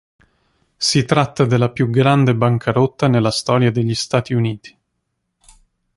Si tratta della più grande bancarotta nella storia degli Stati Uniti.